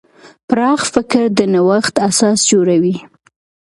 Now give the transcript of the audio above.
پراخ فکر د نوښت اساس جوړوي.